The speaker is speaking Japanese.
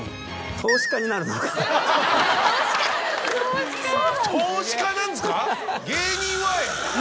投資家なんですか